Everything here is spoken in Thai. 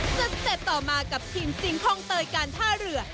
สเต็ปต่อมากับทีมจริงคลองเตยการท่าเรือ